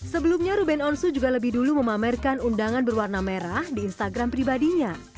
sebelumnya ruben onsu juga lebih dulu memamerkan undangan berwarna merah di instagram pribadinya